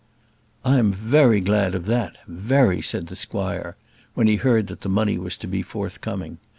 "I am very glad of that, very," said the squire, when he heard that the money was to be forthcoming.